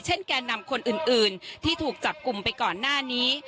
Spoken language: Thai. แก่นำคนอื่นที่ถูกจับกลุ่มไปก่อนหน้านี้